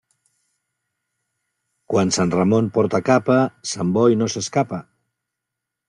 Quan sant Ramon porta capa, sant Boi no s'escapa.